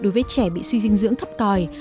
đối với trẻ bị suy dinh dưỡng thấp còi